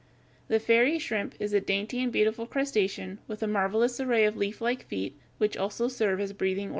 The fairy shrimp is a dainty and beautiful crustacean with a marvelous array of leaflike feet which also serve as breathing organs.